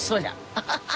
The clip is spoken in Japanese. ハハハハ！